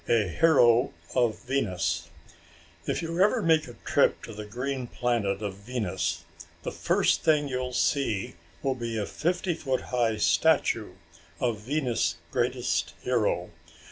A Hero of Venus If you ever make a trip to the green planet of Venus, the first thing you'll see will be the fifty foot high statue of Venus' greatest hero.